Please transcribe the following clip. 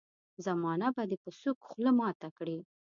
زمانه به دي په سوک خوله ماته کړي.